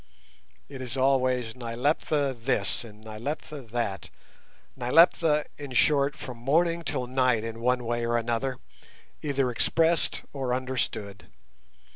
It is always Nyleptha this and Nyleptha that—Nyleptha, in short, from morning till night in one way or another, either expressed or understood.